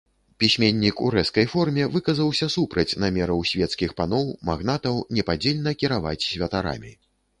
Пісьменнік у рэзкай форме выказаўся супраць намераў свецкіх паноў, магнатаў непадзельна кіраваць святарамі.